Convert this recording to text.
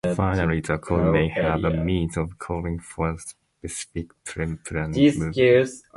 Finally, the code may have a means of calling for a specific pre-planned move.